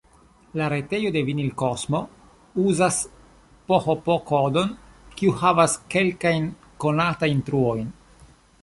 La retejo de Vinilkosmo uzas php-kodon, kiu havas kelkajn konatajn truojn.